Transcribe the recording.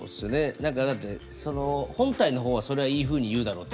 何かだってその本体の方はそれはいいふうに言うだろうって。